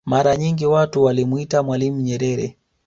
Mara nyingi watu walimwita mwalimu Nyerere